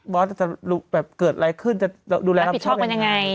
บ๊อสจะรู้เกิดอะไรขึ้นจะดูแลทัพชอบยังไง